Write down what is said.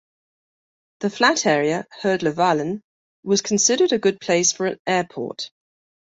The flat area "Herdlevalen" was considered a good place for an airport.